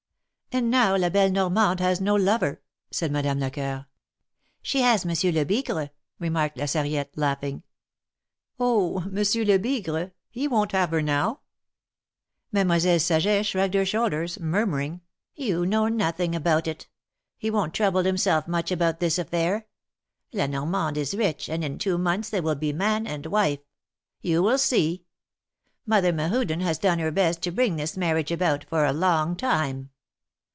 *^And now La belle Normande has no lover," said Madame Lecoeur. ^^She has, Monsieur Lebigre," remarked La Sarriette, laughing. Oh ! Monsieur Lebigre ; he won't have her now I " THE MARKETS OF PARIS. 295 Mademoiselle Saget shrugged her shoulders, mur muring : You know nothing about it. He won't trouble him self much about this affair. La Normande is rich, and in two months they will be man and wife. You will see. Mother Mehuden has done her best to bring this mar riage about for a long time."